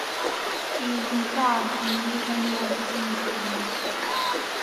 He is interred in Lindenwood Cemetery.